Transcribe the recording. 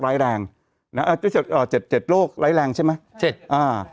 ร้ายแรงอ่าเจ็ดอ่าเจ็ดโรคร้ายแรงใช่ไหมเจ็ดอ่า